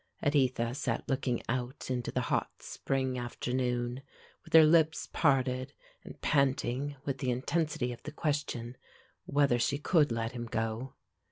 Editha sat looking out into the hot spring afternoon, with her lips parted, and panting with the intensity of the question whether she could let him go.